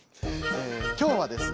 今日はですね